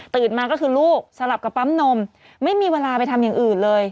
มาก็คือลูกสลับกับปั๊มนมไม่มีเวลาไปทำอย่างอื่นเลย